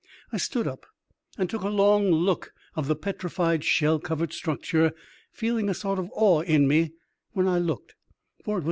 I stood up and took a long view of the petrified shell covered structure, feeling a sort of awe in me whilst I looked, for it was.